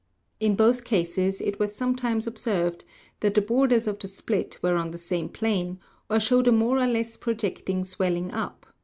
In both cases it was sometimes observed that the borders of the split were on the same plane, or showed a more or less projecting swelling up 4.